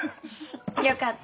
よかった。